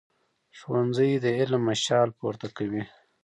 ښوونځی د علم مشال پورته کوي